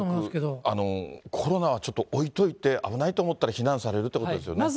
コロナはちょっと置いといて、危ないと思ったら避難されるということですよね。